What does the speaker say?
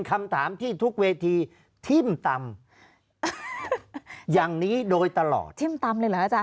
คำถามที่ทุกเวทีทิ่มตำอย่างนี้โดยตลอดทิ่มตำเลยเหรออาจาร